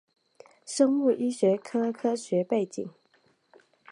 生物医学科学背景